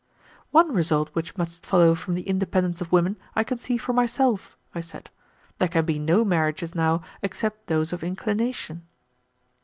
"One result which must follow from the independence of women I can see for myself," I said. "There can be no marriages now except those of inclination."